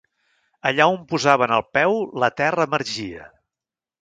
Allà on posaven el peu, la terra emergia.